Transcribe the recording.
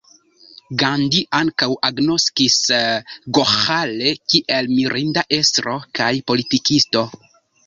Gandhi ankaŭ agnoskis Goĥale kiel mirinda estro kaj politikisto.